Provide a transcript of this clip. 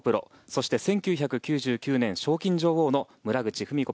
そして１９９９年賞金女王の村口史子